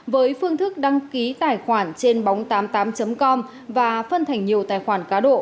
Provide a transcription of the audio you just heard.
với phương thức đăng ký tài khoản trên bóng tám mươi tám com và phân thành nhiều tài khoản cá độ